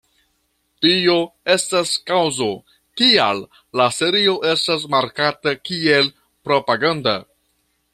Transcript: Tio estas kaŭzo, kial la serio estas markata kiel propaganda.